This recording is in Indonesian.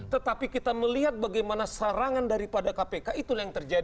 tetapi kita melihat bagaimana sarangan daripada kpk itulah yang terjadi